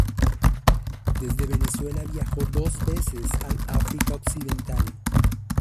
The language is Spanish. Desde Venezuela viajó dos veces al África occidental.